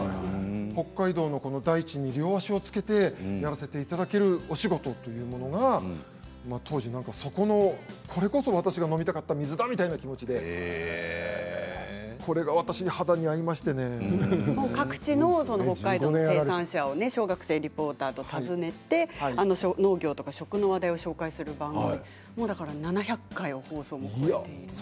北海道の大地に両足を着けてやらせていただけるお仕事というのは当時、なんかそこのこれこそ私が飲みたかった水だみたいな感じで各地の北海道の生産者を小学生リポーターと訪ねて農業とか食の話題を紹介する番組７００回も、放送を超えていると。